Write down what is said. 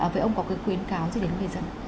vậy ông có cái khuyến cáo gì đến người dân